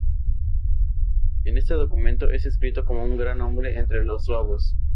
En este documento es descrito como un "gran hombre entre los suabos".